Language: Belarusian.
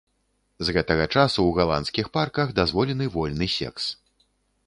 З гэтага часу ў галандскіх парках дазволены вольны секс.